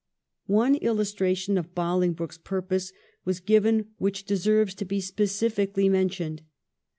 One illustration of Bolingbroke's purpose was given which deserves to be specially mentioned.